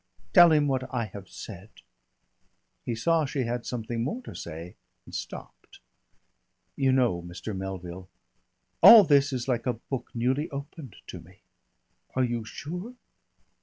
Tell him what I have said." He saw she had something more to say, and stopped. "You know, Mr. Melville, all this is like a book newly opened to me. Are you sure